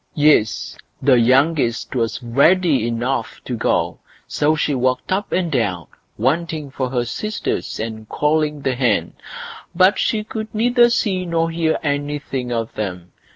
Yes! the youngest was ready enough to go; so she walked up and down, Wanting for her sisters and calling the hen, but she could neither see nor hear anything of them.